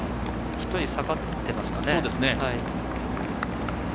１人、下がってますね。